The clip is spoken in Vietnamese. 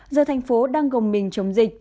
giờ thành phố đang gồng mình chống dịch